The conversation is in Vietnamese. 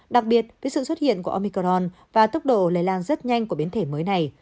đặc biệt với sự xuất hiện của omicron và tốc độ lây lan rất nhanh của biến thể mới này